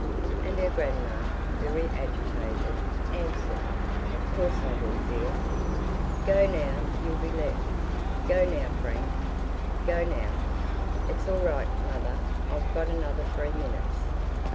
And her grandma, very agitated, answered, "Of course I will, dear. Go now. You'll be left. Go now, Frank. Go now." "It's all right, mother. I've got another three minutes."